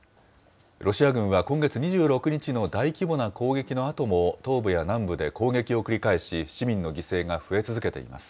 ロシア軍は今月２６日の大規模な攻撃のあとも、東部や南部で攻撃を繰り返し、市民の犠牲が増え続けています。